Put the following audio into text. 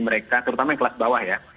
mereka terutama yang kelas bawah ya